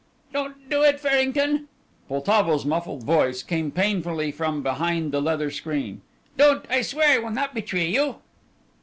"Don't do it, Farrington." Poltavo's muffled voice came painfully from behind the leather screen. "Don't! I swear I will not betray you."